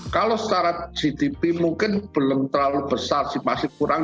kalau secara gdp mungkin belum terlalu besar sih masih kurang